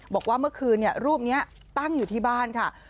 บอกว่าเมื่อคืนรูปนี้ตั้งอยู่ที่บ้านค่ะ